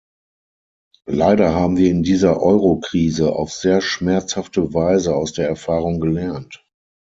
Leider haben wir in dieser Euro-Krise auf sehr schmerzhafte Weise aus der Erfahrung gelernt.